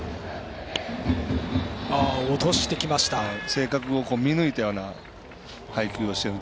性格を見抜いたような配球をしている。